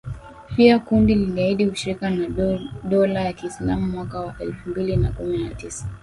Pia kundi liliahidi ushirika na dola ya kiislamu mwaka wa elfu mbili na kumi na tisa.